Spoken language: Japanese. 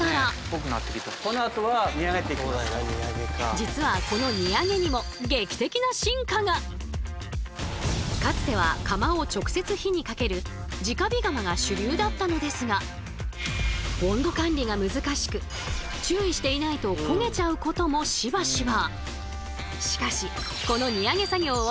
実はこのかつては釜を直接火にかける直火釜が主流だったのですが温度管理が難しく注意していないと焦げちゃうこともしばしば。